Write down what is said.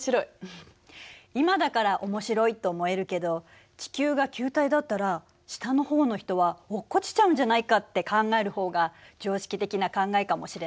今だから面白いと思えるけど地球が球体だったら下の方の人は落っこちちゃうんじゃないかって考える方が常識的な考えかもしれないわね。